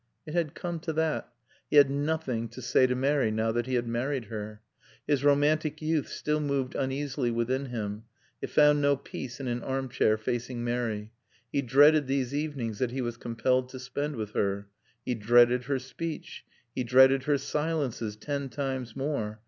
It had come to that. He had nothing to say to Mary now that he had married her. His romantic youth still moved uneasily within him; it found no peace in an armchair, facing Mary. He dreaded these evenings that he was compelled to spend with her. He dreaded her speech. He dreaded her silences ten times more.